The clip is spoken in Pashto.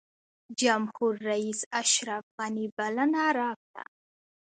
جمهورریس اشرف غني بلنه راکړه.